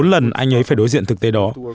bốn lần anh ấy phải đối diện thực tế đó